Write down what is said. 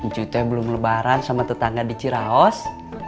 cuite belum lebaran sama tetangga di ciraos